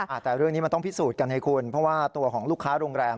แต่เรื่องนี้มันต้องพิสูจน์กันให้คุณเพราะว่าตัวของลูกค้าโรงแรม